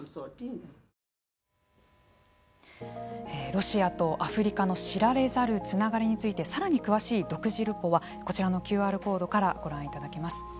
ロシアとアフリカの知られざるつながりについてさらに詳しい独自ルポはこちらのＱＲコードからご覧いただけます。